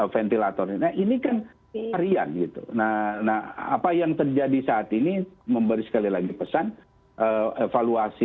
ventilatornya ini kan harian gitu nah apa yang terjadi saat ini memberi sekali lagi pesan evaluasi